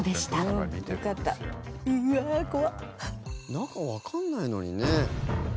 中わかんないのにね。